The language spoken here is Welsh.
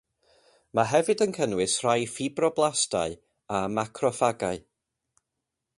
Mae hefyd yn cynnwys rhai ffibroblastau a macroffagau.